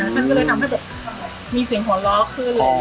ฉันเลยทำให้มีเสียงหอลอขึ้น